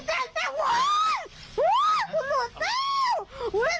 อันนี้ใคร